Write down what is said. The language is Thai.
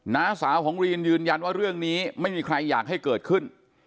น้าสาวของรีนยืนยันว่าเรื่องนี้ไม่มีใครอยากให้เกิดขึ้น